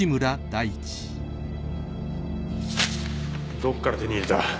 どっから手に入れた。